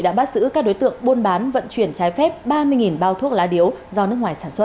đã bắt giữ các đối tượng buôn bán vận chuyển trái phép ba mươi bao thuốc lá điếu do nước ngoài sản xuất